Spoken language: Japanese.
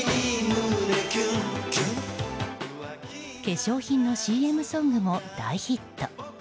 化粧品のＣＭソングも大ヒット。